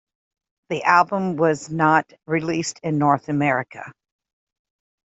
The album was not released in North America.